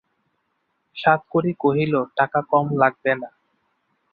সাতকড়ি কহিল, টাকা কম লাগবে না।